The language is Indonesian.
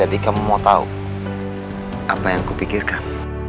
kamu mau tahu apa yang kupikirkan